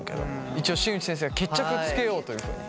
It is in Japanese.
一応新内先生が決着つけようというふうに。